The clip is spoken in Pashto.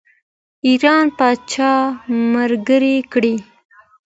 ایران پاچا ملګری کړي.